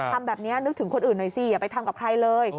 ทำแบบนี้นึกถึงคนอื่นหน่อยสิอย่าไปทำกับใครเลย